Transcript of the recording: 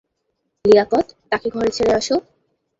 লিয়াকত, তাকে ঘরে ছেড়ে আসো।